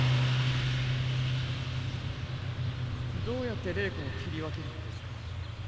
どうやって霊魂を切り分けるのですか？